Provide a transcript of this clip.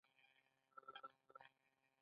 په دې چارو کې باید انصاف او عدل وي.